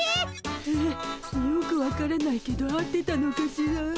えよく分からないけど合ってたのかしら？